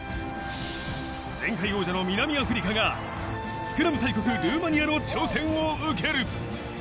前回王者の南アフリカがスクラム大国・ルーマニアの挑戦を受ける。